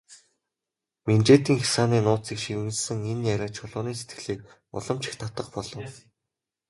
Минжээтийн хясааны нууцыг шивгэнэсэн энэ яриа Чулууны сэтгэлийг улам ч их татах болов.